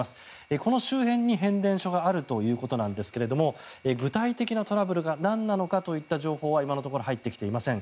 この周辺に変電所があるということなんですが具体的なトラブルがなんなのかといった情報は今のところ入ってきていません。